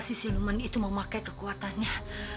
si siluman itu mau pakai kekuatannya